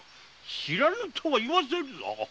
知らぬとは言わせんぞ。